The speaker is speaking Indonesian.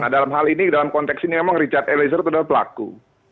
nah dalam hal ini dalam konteks ini memang richard eliezer itu adalah pelaku